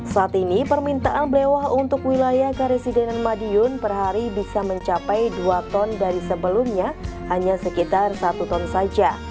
saat ini permintaan blewah untuk wilayah karisidenan madiun per hari bisa mencapai dua ton dari sebelumnya hanya sekitar satu ton saja